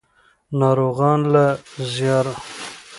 ناروغان له زیارتونو ګټه نه اخلي.